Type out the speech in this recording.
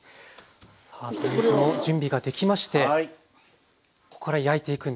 さあ鶏肉の準備ができましてここから焼いていくんですね。